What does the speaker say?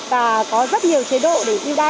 và có rất nhiều chế độ để đi đa